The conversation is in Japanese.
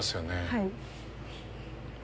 はい。